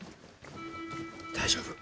大丈夫。